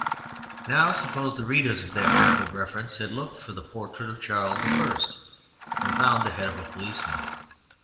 Now suppose the readers of that work of reference had looked for the portrait of Charles I. and found the head of a policeman.